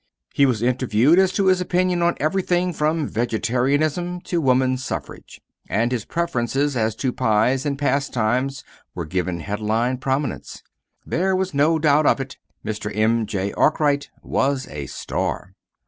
He was interviewed as to his opinion on everything from vegetarianism to woman's suffrage; and his preferences as to pies and pastimes were given headline prominence. There was no doubt of it. Mr. M. J. Arkwright was a star.